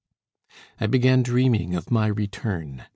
I began dreaming of my return.